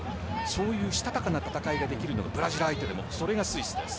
そういうしたたかな戦いができるのが、ブラジル相手でもそれがスイスです。